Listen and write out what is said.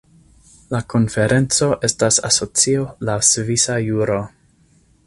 La konferenco estas asocio laŭ svisa juro.